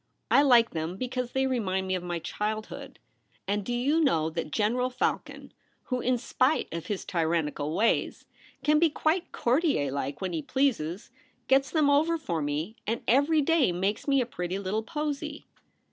I like them because they remind me of my childhood. And do you know that General Falcon, who, in spite of his tyrannical ways, can be quite courtier like when he pleases, gets them over for me ; and every day makes me a pretty little posy.'